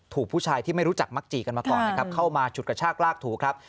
ถูกผู้ชายที่ไม่รู้จักมักจีกันมาก่อนนะครับเข้ามาฉุดกระชากลากถูครับ